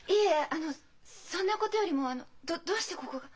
あのそんなことよりもあのどどうしてここが？